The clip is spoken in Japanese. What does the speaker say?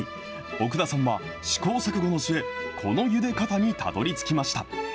奥田さんは試行錯誤の末、このゆで方にたどりつきました。